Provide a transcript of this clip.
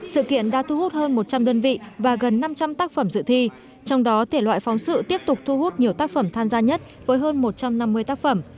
sự kiện đã thu hút hơn một trăm linh đơn vị và gần năm trăm linh tác phẩm dự thi trong đó thể loại phóng sự tiếp tục thu hút nhiều tác phẩm tham gia nhất với hơn một trăm năm mươi tác phẩm